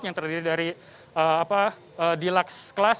yang terdiri dari deluxe class